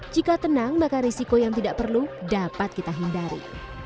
jika tenang maka risiko yang tidak perlu dapat kita hindari